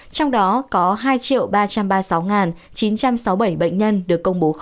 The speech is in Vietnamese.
trong đó có hai triệu ba trăm ba mươi sáu